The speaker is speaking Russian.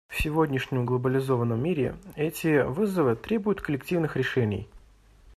В сегодняшнем глобализованном мире эти вызовы требуют коллективных решений.